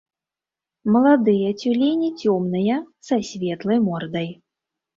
Маладыя цюлені цёмныя, са светлай мордай.